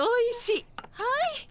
はい。